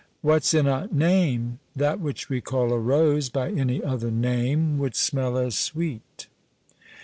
What's in a NAME? That which we call a rose, By any other name would smell as sweet.